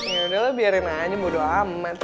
ya udah lo biarin aja bodo amat